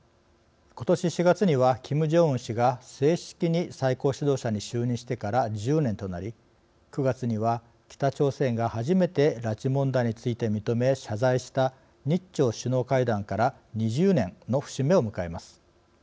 ことし４月にはキム・ジョンウン氏が正式に最高指導者に就任してから１０年となり、９月には北朝鮮が初めて拉致問題について認め謝罪した日朝首脳会談から２０年の節目を迎えます。